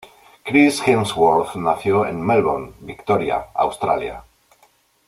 Chris Hemsworth nació en Melbourne, Victoria, Australia.